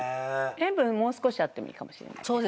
塩分もう少しあってもいいかもしれないですね。